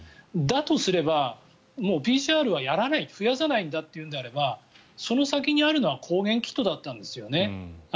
だとすればＰＣＲはやらない増やさないというのであればその先にあるのは抗原キットだったんですよね。